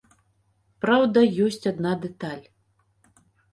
Праўда, ёсць адна дэталь.